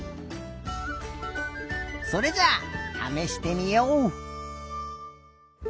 それじゃあためしてみよう！